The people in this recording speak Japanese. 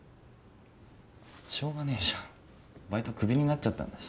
しょうがねぇじゃん。バイトクビになっちゃったんだし。